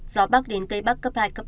gió bắc đến tây bắc cấp hai cấp ba